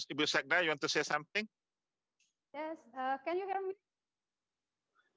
ibu sekda ingin mengatakan sesuatu